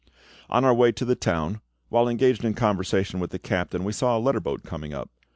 On our way to the town, while engaged in conversation with the captain, we saw a letter boat coming up.